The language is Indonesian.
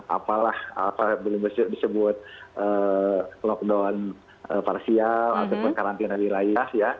apalah belum disebut lockdown parsial atau karantina wilayah